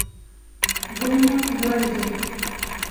غرونه لوړ دي.